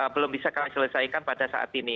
belum bisa kami selesaikan pada saat ini